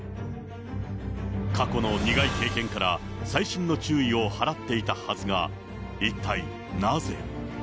過去の苦い経験から、細心の注意を払っていたはずが、一体なぜ。